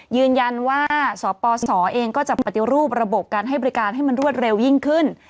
ยืนยันว่าสปสเองก็จะปฏิรูประบบการให้บริการให้มันรวดเร็วยิ่งขึ้น